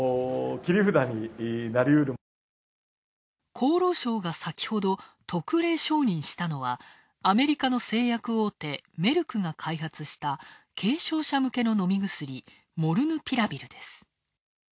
厚生労働省が先ほど特例承認したのは、アメリカの製薬大手メルクが開発した軽症者向けの飲み薬、モルヌピラビルです。